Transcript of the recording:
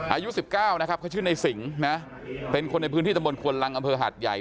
อายุ๑๙นะครับเขาชื่อในสิงนะเป็นคนในพื้นที่ตำบลควนลังอำเภอหาดใหญ่